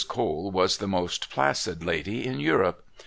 Cole was the most placid lady in Europe.